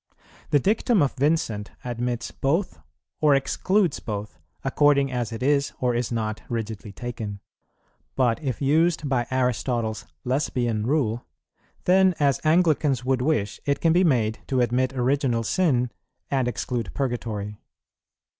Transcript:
The dictum of Vincent admits both or excludes both, according as it is or is not rigidly taken; but, if used by Aristotle's "Lesbian Rule," then, as Anglicans would wish, it can be made to admit Original Sin and exclude Purgatory.